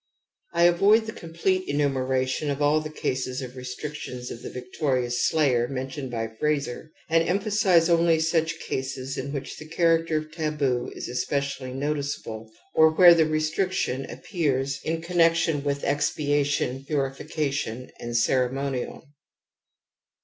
I avoid the complete enumeration of all the cases of restrictions of the victorious slayer men tioned by Frazer, and emphasize only such cases in which the character of taboo is especially noticeable or where the restriction appears in connection with expiation, pmification and ceremonial.